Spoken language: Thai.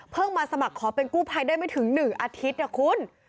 เพิ่งมาสมัครขอเป็นกู้ภัยได้ไม่ถึงหนึ่งอาทิตย์